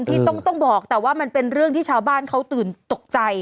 ที่ต้องบอกแต่ว่ามันเป็นเรื่องที่ชาวบ้านเขาตื่นตกใจ